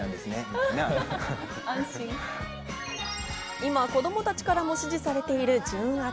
今、子供たちからも支持されている純悪。